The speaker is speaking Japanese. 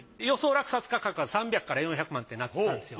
落札価格は３００４００万ってなってたんですよ。